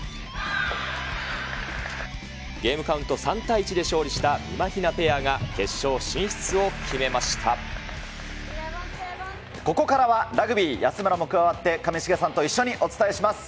ゲームカウント３対１で勝利したみまひなペアが、決勝進出を決めここからはラグビー、安村も加わって、上重さんと一緒にお伝えします。